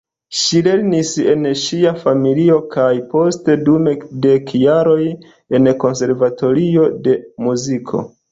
Ŝi lernis en ŝia familio kaj poste dum dek jaroj en konservatorio de muziko.